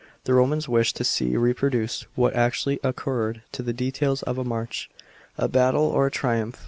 The Romans wished to see reproduced what actually occuned — the details of a march, a battle, or a triumph.